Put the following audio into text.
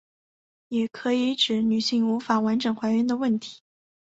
也可以指女性无法完整怀孕的问题。